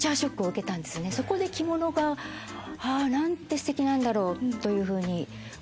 そこで着物があぁ何てすてきなんだろうというふうに思って。